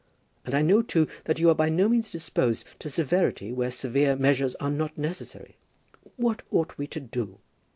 And I know, too, that you are by no means disposed to severity where severe measures are not necessary. What ought we to do?